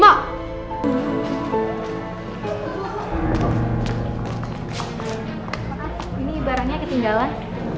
maaf ini barangnya ketinggalan